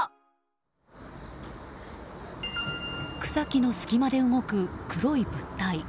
草木の隙間で動く黒い物体。